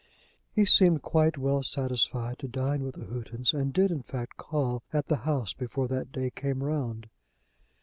He seemed quite well satisfied to dine with the Houghtons, and did, in fact, call at the house before that day came round.